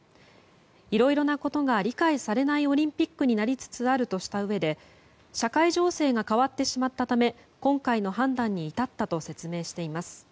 いろいろなことが理解されないオリンピックになりつつあるとしたうえで社会情勢が変わってしまったため今回の判断に至ったと説明しています。